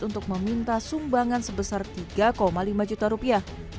untuk meminta sumbangan sebesar tiga lima juta rupiah